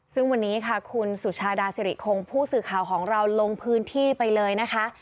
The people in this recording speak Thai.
ซึ่งวันนี้ค่ะคุณสุชาดาสิริคงผู้สื่อข่าวของเราลงพื้นที่ไปเลยนะคะ